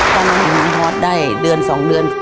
ตอนนั้นน้องพอร์ตได้เดือน๒เดือน